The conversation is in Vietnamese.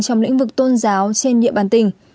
trong lĩnh vực tôn giáo trên địa bàn tỉnh